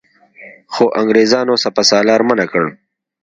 خو انګرېزانو سپه سالار منع کړ.